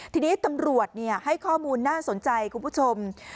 ทีนี้ตำรวจให้ข้อมูลน่าสนใจคุณผู้ชม